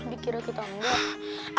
dikira kita enggak